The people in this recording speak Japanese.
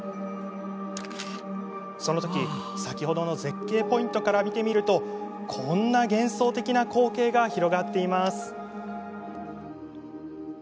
そのとき、先ほどの絶景ポイントから見てみるとこんな幻想的な光景が広がっています。